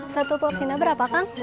satu porsina berapa kang